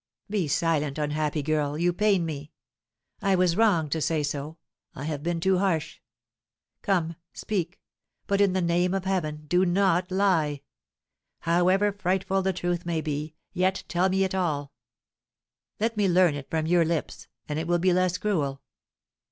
"Be silent, unhappy girl, you pain me. I was wrong to say so; I have been too harsh. Come, speak; but in the name of Heaven, do not lie. However frightful the truth may be, yet tell it me all; let me learn it from your lips, and it will be less cruel.